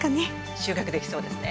収穫できそうですね。